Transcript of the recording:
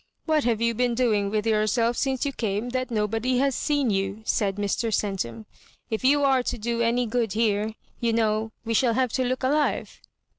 " "What have you been doing with yourself since you came that nobody has seen you ?" said Mr. Centum. " If you are to do any good here, you know, we shall have to look alive."